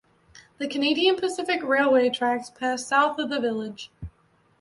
The Canadian Pacific Railway tracks pass south of the village.